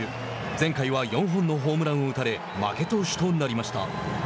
前回は４本のホームランを打たれ負け投手となりました。